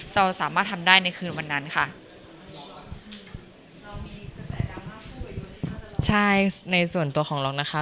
เราสามารถทำได้ในคืนวันนั้นค่ะใช่ในส่วนตัวของเรานะคะ